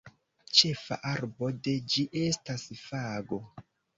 Ĉefa arbo de ĝi estas fago.